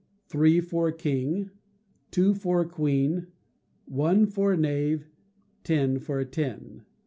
Three for a king. Two for a queen. One for a knave. Ten for a ten.